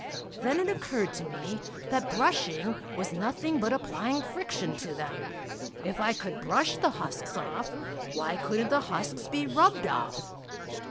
Then it occurred to me that brushing was nothing but applying friction to them. If I could brush the husks off, why couldn't the husks be rubbed off?